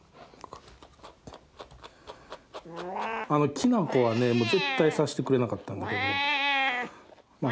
きなこはねもう絶対さしてくれなかったんだけどまあ